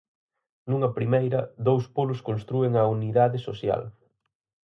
Nunha primeira, dous polos constrúen a unidade social.